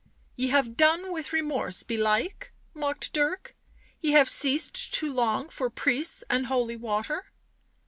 " Ye have done with remorse belike?" mocked Dirk. " Ye have ceased to long for priests and holy water?"